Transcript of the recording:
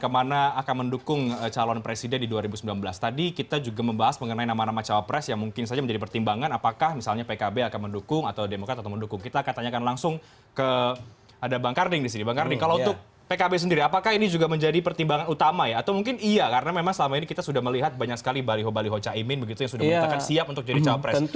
banyak sekali baliho baliho caimin yang sudah menuntutkan siap untuk jadi cawapres